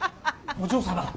お嬢様。